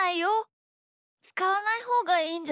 つかわないほうがいいんじゃない？